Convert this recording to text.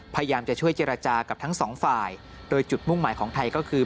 พยายามจะช่วยเจรจากับทั้งสองฝ่ายโดยจุดมุ่งหมายของไทยก็คือ